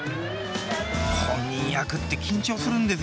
本人役って緊張するんですよ。